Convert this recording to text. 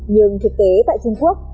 nhưng thực tế tại trung quốc